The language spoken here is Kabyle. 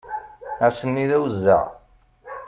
Ass-nni d awezzeɛ.